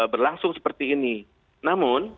berlangsung seperti ini namun